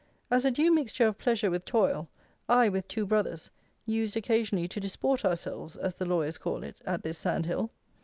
As a due mixture of pleasure with toil, I, with two brothers, used occasionally to desport ourselves, as the lawyers call it, at this sand hill.